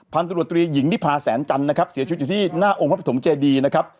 พันธุรัตรีหญิงนิพาส์แสนจันทร์นะครับเสียชุดอยู่ที่น่าองค์พระตรุ่มเจดีย์นะครับ